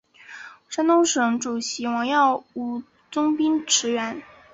山东省主席王耀武增兵驰援。